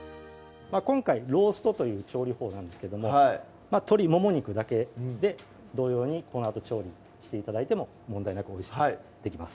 今回ローストという調理法なんですけども鶏もも肉だけで同様にこのあと調理して頂いても問題なくおいしくできます